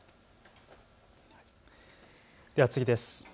では次です。